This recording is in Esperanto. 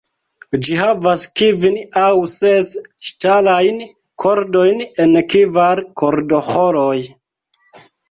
Ĝi havas kvin aŭ ses ŝtalajn kordojn en kvar kordoĥoroj.